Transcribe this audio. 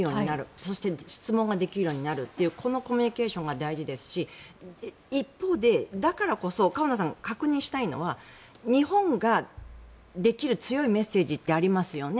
そして質問ができるようになるというこのコミュニケーションが大事ですし一方でだからこそ河野さん、確認したいのは日本ができる強いメッセージってありますよね